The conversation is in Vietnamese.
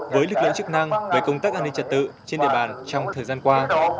với lực lượng chức năng về công tác an ninh trật tự trên địa bàn trong thời gian qua